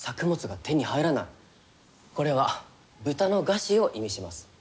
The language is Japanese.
これは豚の餓死を意味します。